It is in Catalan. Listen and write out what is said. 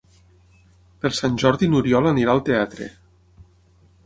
Per Sant Jordi n'Oriol anirà al teatre.